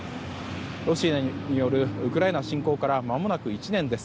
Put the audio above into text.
ロシアによるウクライナ侵攻からまもなく１年です。